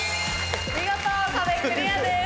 見事壁クリアです。